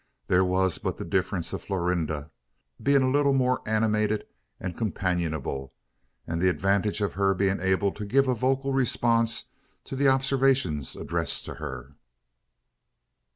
There was but the difference of Florinda being a little more animated and companionable, and the advantage of her being able to give a vocal response to the observations addressed to her.